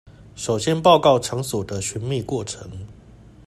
首先報告場所的尋覓過程